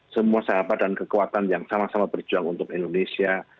semua sahabat dan kekuatan yang sama sama berjuang untuk indonesia